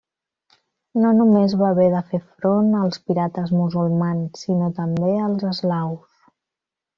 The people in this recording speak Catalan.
No només va haver de fer front als pirates musulmans, sinó també als eslaus.